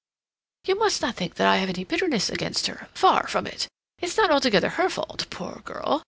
"You must not think that I have any bitterness against her—far from it. It's not altogether her fault, poor girl.